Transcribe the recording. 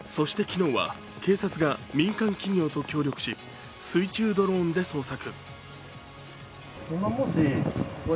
そして昨日は警察が民間企業と協力し水中ドローンで捜索。